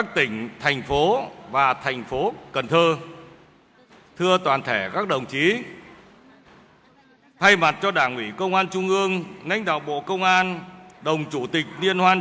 thứ trưởng bộ công an đồng chủ tịch liên hoan